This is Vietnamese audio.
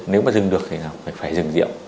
nếu mà dừng được thì phải dừng rượu